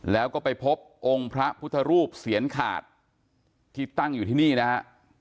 แล้วก็ไปพบองค์พระพุทธรูปเสียนขาดที่ตั้งอยู่ที่นี่นะฮะ